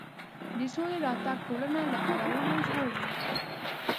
د سولې راتګ ټولنه له کړاوونو ژغوري.